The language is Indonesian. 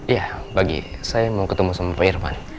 ya pagi saya mau ketemu sama pak irman